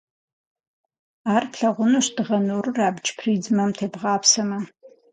Ар плъэгъунущ дыгъэ нурыр абдж призмэм тебгъапсэмэ.